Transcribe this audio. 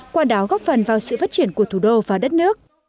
qua đó góp phần vào sự phát triển của thủ đô và đất nước